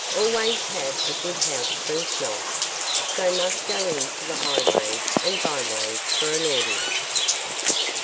Always have a good house first night, so must go into the highways and byways for an audience.